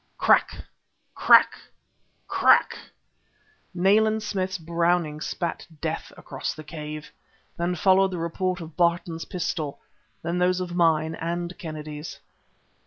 ..." Crack! Crack! Crack! Nayland Smith's Browning spat death across the cave. Then followed the report of Barton's pistol; then those of mine and Kennedy's.